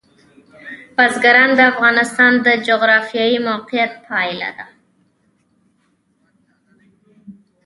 بزګان د افغانستان د جغرافیایي موقیعت پایله ده.